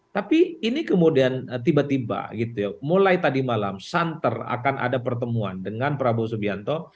tapi ini kemudian tiba tiba gitu ya mulai tadi malam santer akan ada pertemuan dengan prabowo subianto